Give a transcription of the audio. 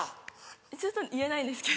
ちょっと言えないんですけど。